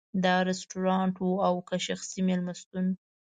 دا رستورانت و او که شخصي مېلمستون.